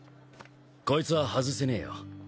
こいつは外せねえよ。